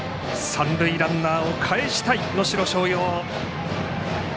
三塁ランナーをかえしたい能代松陽。